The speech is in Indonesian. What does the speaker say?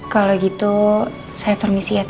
kalau gitu saya permisi ya